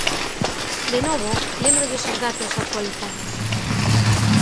De novo, lémbrolles os datos actualizados.